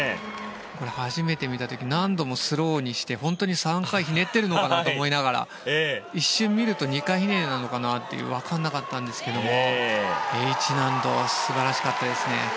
初めて見た時何度もスローにして本当に３回ひねっているのかなと思いながら一瞬見ると２回ひねりなのかなってわからなかったんですがＨ難度、素晴らしかったですね。